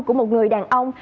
của một người đàn ông